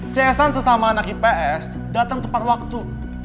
csn sesama anak ips datang tepat waktu